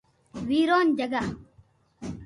ویرون جگا